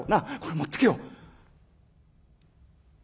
これ持ってけよ」。